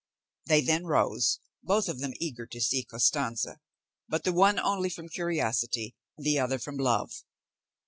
They then rose, both of them eager to see Costanza, but the one only from curiosity, the other from love.